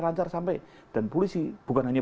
lancar sampai dan polisi bukan hanya